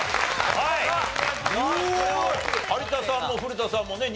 有田さんも古田さんもね